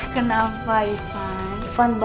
kamu mau ke rumah saya bu